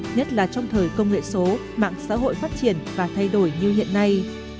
nhất là trong thời công nghệ số mạng xã hội phát triển và thay đổi như hiện nay